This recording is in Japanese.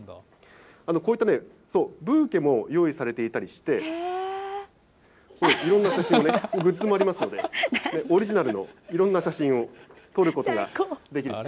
こういったブーケも用意されていたりして、いろんな写真をね、グッズもありますので、オリジナルのいろんな写真を撮ることができると。